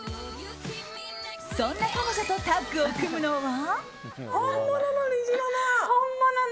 そんな彼女とタッグを組むのは。